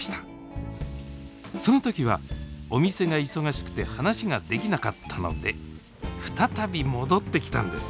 その時はお店が忙しくて話ができなかったので再び戻ってきたんです